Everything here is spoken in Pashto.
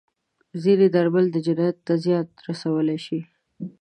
ځینې درمل د جنین ته زیان رسولی شي.